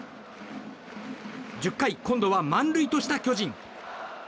１０回、今度は満塁とした巨人。